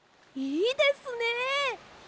いいですね！